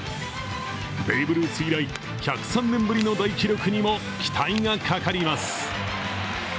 ベーブ・ルース以来１０３年ぶりの大記録にも期待がかかります。